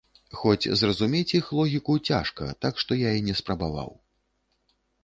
Хоць зразумець іх логіку цяжка, так што я і не спрабаваў.